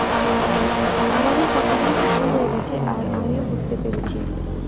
আমাদের সকলেরই শিক্ষা হয়ে গেছে, আর আমিও বুঝতে পেরেছি।